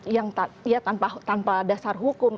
yang tanpa dasar hukum